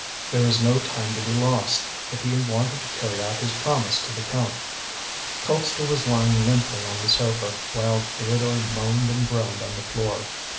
There was no time to be lost, if he wanted to carry out his promise to the Count. Colpster was lying limply on the sofa, while Theodore moaned and groaned on the floor.